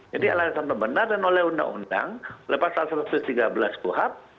jadi alasan benar dan oleh undang undang lepas satu ratus tiga belas puhab